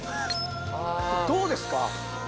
どうですか？